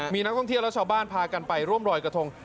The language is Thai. มีนักท่องเที่ยวและชาวบ้านพากันไปร่วมรอยกระทง